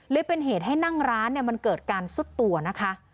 หรือเป็นเหตุให้นั่งร้านมันเกิดการซุดตัวนะคะ